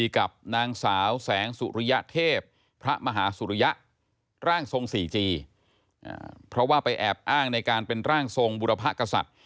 คุณจะอ้างในการเป็นร่างทรงบุรพกษัตริย์